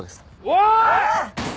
おい！